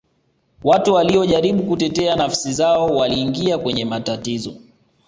watu waliyojaribu kutetea nafsi zao waliingia kwenye matatizo